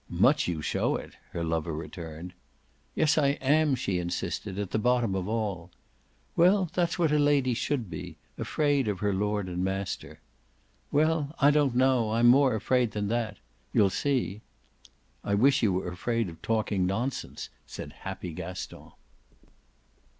"Much you show it!" her lover returned. "Yes, I am," she insisted, "at the bottom of all." "Well, that's what a lady should be afraid of her lord and master." "Well, I don't know; I'm more afraid than that. You'll see." "I wish you were afraid of talking nonsense," said happy Gaston.